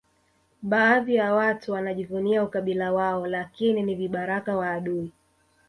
Baadhi ya watu wanajivunia ukabila wao lakini ni vibaraka wa adui